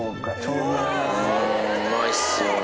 うまいっすよね。